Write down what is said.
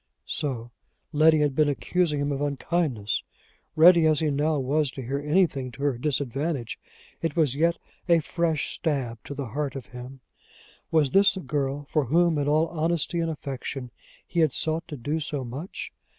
So Letty had been accusing him of unkindness! Ready as he now was to hear anything to her disadvantage, it was yet a fresh stab to the heart of him. Was this the girl for whom, in all honesty and affection, he had sought to do so much!